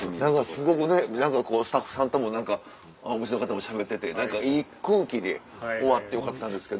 すごくね何かスタッフさんともお店の方もしゃべってて何かいい空気で終わってよかったんですけど。